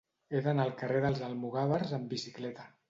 He d'anar al carrer dels Almogàvers amb bicicleta.